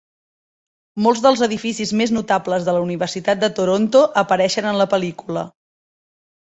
Molts dels edificis més notables de la Universitat de Toronto apareixen en la pel·lícula.